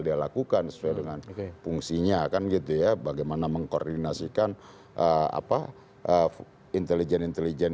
dilakukan sesuai dengan fungsinya akan gitu ya bagaimana mengkoordinasikan apa intelijen intelijen